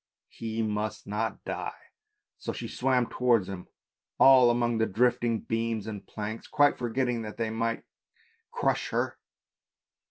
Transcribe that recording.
he must not die; so she swam towards him all among the drifting beams and planks, quite forgetting that they might crush her.